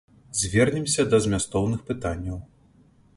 Звернемся да змястоўных пытанняў.